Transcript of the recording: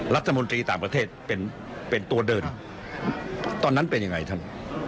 รัฐมนตรีต่างประเทศเป็นตัวเดินตอนนั้นเป็นยังไงท่าน